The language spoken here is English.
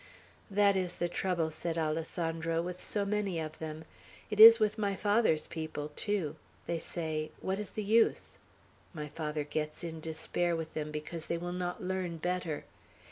"That is the trouble," said Alessandro, "with so many of them; it is with my father's people, too. They say, 'What is the use?' My father gets in despair with them, because they will not learn better.